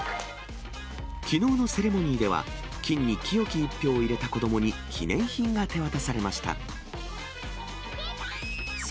きのうのセレモニーでは、キンに清き１票を入れた子どもに記念品が手渡されました。